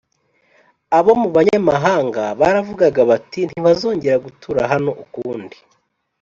Abo mu banyamahanga baravugaga bati“Ntibazongera gutura hano ukundi.”